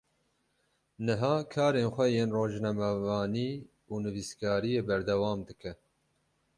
Niha karên xwe yên rojnamevanî û nivîskariyê berdewam dike.